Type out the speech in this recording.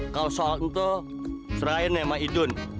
kau salak itu serahin sama idun